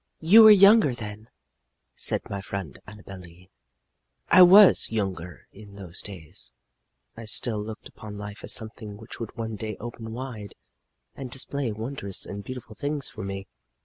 "You were younger then," said my friend Annabel Lee. "I was younger, and in those days I still looked upon life as something which would one day open wide and display wondrous and beautiful things for me.